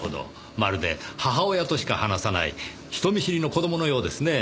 まるで母親としか話さない人見知りの子供のようですねぇ。